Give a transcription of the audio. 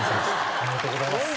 おめでとうございます。